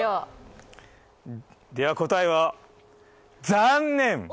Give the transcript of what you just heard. では、答えは残念！